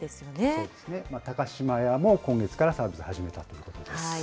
そうですね、高島屋も今月からサービス始めたということです。